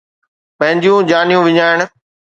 پنهنجون جانيون وڃائڻ